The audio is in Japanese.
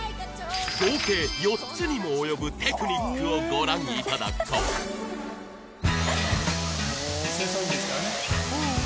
合計４つにも及ぶテクニックをご覧いただこう